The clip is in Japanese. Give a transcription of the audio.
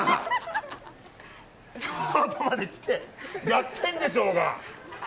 京都まで来てやってんでしょうが！